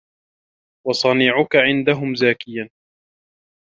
وَصَنِيعُك عِنْدَهُمْ زَاكِيًا